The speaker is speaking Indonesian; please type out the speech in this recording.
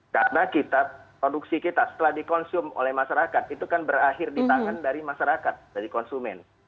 karena kita produksi kita setelah dikonsum oleh masyarakat itu kan berakhir di tangan dari masyarakat dari konsumen